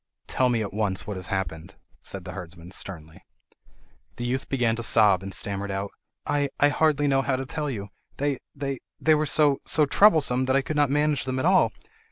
"Tell me at once what has happened," said the herdsman sternly. The youth began to sob, and stammered out: "I—I hardly know how to tell you! They—they—they were so—so troublesome—that I could not manage them at all.